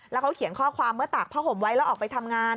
แล้วเขาเขียนข้อความเมื่อตากผ้าห่มไว้แล้วออกไปทำงาน